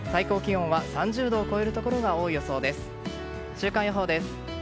週間予報です。